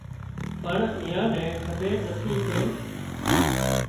پڻ ايئان نين کٻير نٿي ڪي